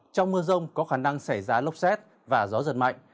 trong mưa rông có khả năng xảy ra lốc xét và gió giật mạnh